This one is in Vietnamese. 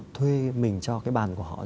thuê mình cho cái bàn của họ rồi